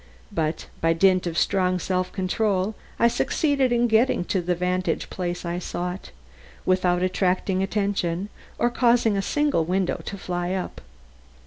But by dint of strong self control I succeeded in getting to the vantage place I sought, without attracting attention or causing a single window to fly up.